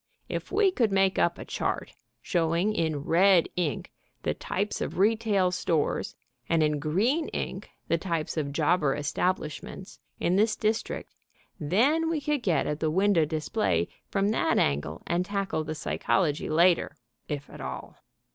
If we could make up a chart, showing in red ink the types of retail stores and in green ink the types of jobber establishments, in this district, then we could get at the window display from that angle and tackle the psychology later, if at all.